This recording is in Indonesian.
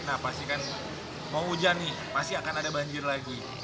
nah pasti kan mau hujan nih pasti akan ada banjir lagi